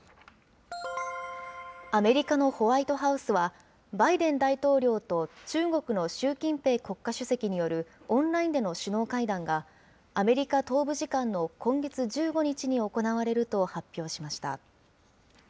アメリカのホワイトハウスは、バイデン大統領と中国の習近平国家主席によるオンラインでの首脳会談が、アメリカ東部時間の今月１５日に行われると発表しました。